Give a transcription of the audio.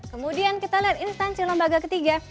kemudian kita lihat instansi lembaga ketiga